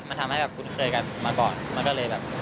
มันทำให้แบบคุ้นเคยกันมาก่อนมันก็เลยแบบ